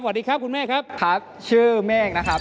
สวัสดีครับคุณแม่ครับครับชื่อเมฆนะครับ